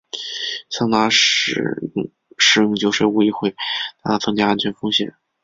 桑拿时食用酒水无疑会大大增加安全风险。